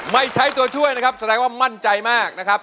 ใช้ตัวช่วยนะครับแสดงว่ามั่นใจมากนะครับ